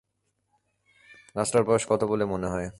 গাছটার বয়স কত বলে মনে হয়?